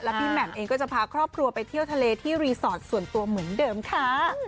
พี่แหม่มเองก็จะพาครอบครัวไปเที่ยวทะเลที่รีสอร์ทส่วนตัวเหมือนเดิมค่ะ